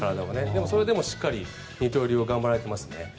でもそれでもしっかり二刀流を頑張られていますね。